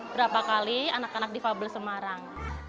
berapa kali anak anak difabel semarang